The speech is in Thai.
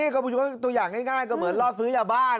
คืออย่างนี้ตัวอย่างง่ายก็เหมือนลอดซื้อจากบ้าน